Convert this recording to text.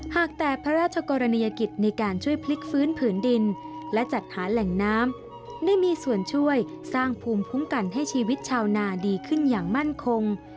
หากแต่พระราชกรณียกิจในการช่วยพลิกฟื้นผืนดินและจัดหาแหล่งน้ำได้มีส่วนช่วยสร้างภูมิคุ้มกันให้ชีวิตชาวนาดีขึ้นอย่างมั่นคง